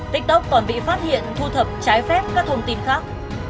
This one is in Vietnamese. tiktok còn bị phát hiện thu thập trái phép các thông tin khác